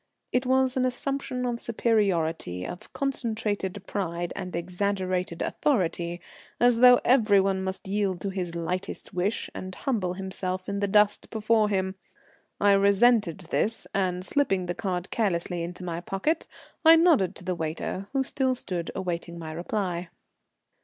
It was an assumption of superiority, of concentrated pride and exaggerated authority, as though everyone must yield to his lightest wish and humble himself in the dust before him. I resented this, and slipping the card carelessly in my pocket, I nodded to the waiter, who still stood awaiting my reply.